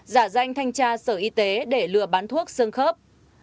giả danh thanh tra sở y tế để lừa bán thuốc sương khớp